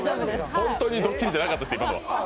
本当にドッキリじゃなかったです、今のは。